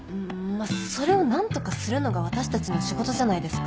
まあそれを何とかするのが私たちの仕事じゃないですか。